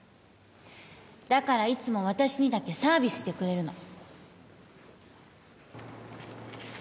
だからいつも私にだけサービスしてくれるの